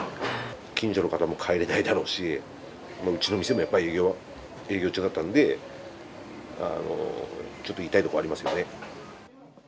近所の方も帰れないだろうし、うちの店もやっぱり、営業中だったので、ちょっと痛いところありますよね。